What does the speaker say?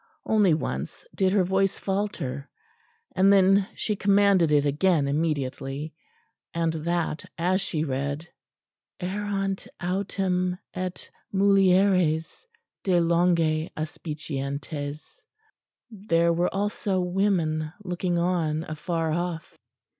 Only once did her voice falter, and then she commanded it again immediately; and that, as she read "Erant autem et mulieres de longe aspicientes." "There were also women looking on afar off."